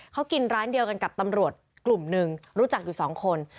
เขากินร้านเดียวกันกับตำรวจกลุ่มหนึ่งรู้จักอยู่สองคน